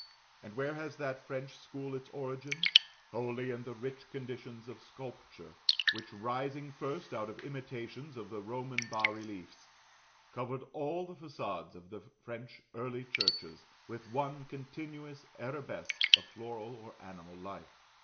And where has that French school its origin? Wholly in the rich conditions of sculpture, which, rising first out of imitations of the Roman bas reliefs, covered all the façades of the French early churches with one continuous arabesque of floral or animal life.